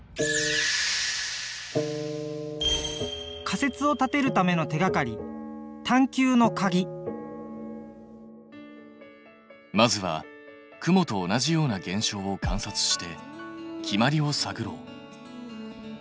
仮説を立てるための手がかりまずは雲と同じような現象を観察して決まりを探ろう。